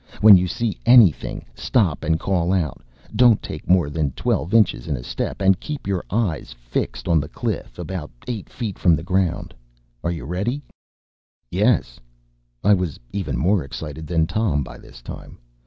When you see anything, stop and call out. Don’t take more than twelve inches in a step, and keep your eye fixed on the cliff about eight feet from the ground. Are you ready?” “Yes.” I was even more excited than Tom by this time.